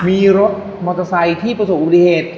มีรถมอเตอร์ไซค์ที่ประสบอุติเหตุอยู่ด้วยหรอ